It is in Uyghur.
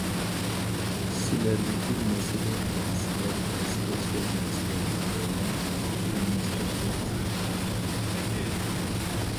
سىلەردىكى مەسىلە دەل سىلەر ۋاز كەچكەن نەرسىلەرگە بولغان قىيماسلىق تۇيغۇسىدۇر.